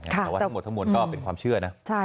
แต่ว่าทั้งหมดทั้งมวลก็เป็นความเชื่อนะ